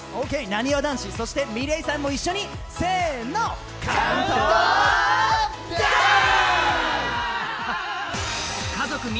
なにわ男子そして、ｍｉｌｅｔさんも一緒にせーの、カウントダウン！